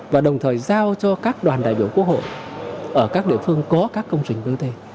và đồng thời giao cho các đoàn đại biểu quốc hội ở các địa phương có các công trình đô thị